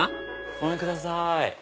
ごめんください。